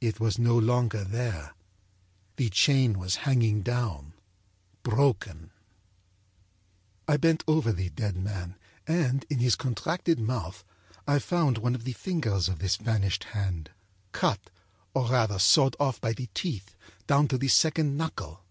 It was no longer there. The chain was hanging down, broken. âI bent over the dead man and, in his contracted mouth, I found one of the fingers of this vanished hand, cutâor rather sawed off by the teeth down to the second knuckle.